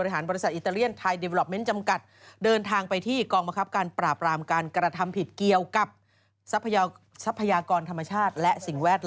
ข้าวใส่ไข่สดใหม่ให้เยอะให้เยอะให้เยอะ